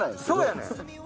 そうやねん。